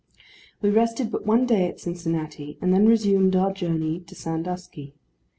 We rested but one day at Cincinnati, and then resumed our journey to Sandusky.